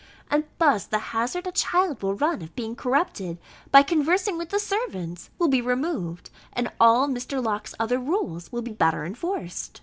And thus the hazard a child will run of being corrupted by conversing with the servants, will be removed, and all Mr. Locke's other rules be better enforced.